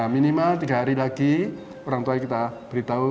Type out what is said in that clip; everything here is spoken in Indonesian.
minimal tiga hari lagi orang tua kita beritahu